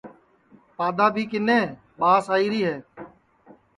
پادؔا بھی کِنے ٻاس آئیری ہے